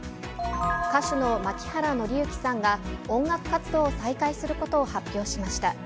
歌手の槇原敬之さんが、音楽活動を再開することを発表しました。